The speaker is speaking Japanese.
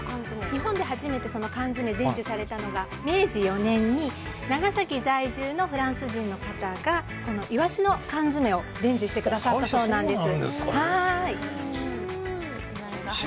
日本で初めて缶詰、伝授されたのが明治４年に長崎在住のフランス人の方がイワシの缶詰を伝授してくださったそうなんです。